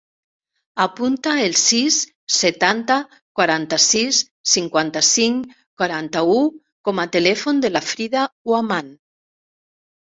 Apunta el sis, setanta, quaranta-sis, cinquanta-cinc, quaranta-u com a telèfon de la Frida Huaman.